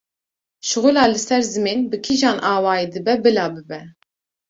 Şixula li ser zimên bi kîjan awayî dibe bila bibe.